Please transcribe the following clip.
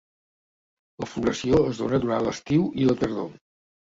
La floració es dóna durant l'estiu i la tardor.